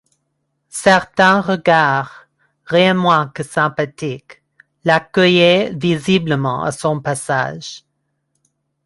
Certains regards, rien moins que sympathiques, l’accueillaient visiblement à son passage.